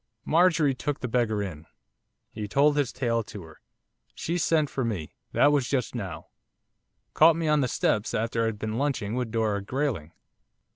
Marjorie took the beggar in, he told his tale to her, she sent for me that was just now; caught me on the steps after I had been lunching with Dora Grayling.